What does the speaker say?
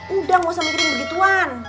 udah gak usah mikirin begituan